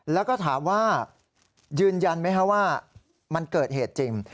แล้วก็ถามว่ายืนยันไหมคะว่ามันเกิดเหตุจริง